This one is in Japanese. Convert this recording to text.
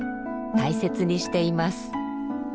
大切にしています。